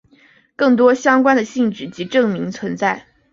更多相关的性质及证明在。